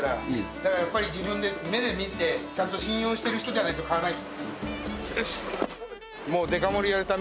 だからやっぱり自分で目で見てちゃんと信用している人じゃないと買わないです。